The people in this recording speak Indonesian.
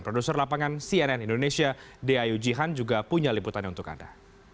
produser lapangan cnn indonesia deayu jihan juga punya liputannya untuk anda